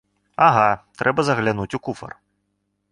Ага, трэба заглянуць у куфар.